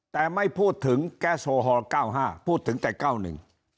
แต่ไม่พูดถึงแก๊สโซฮอล๙๕พูดถึงแต่๙๑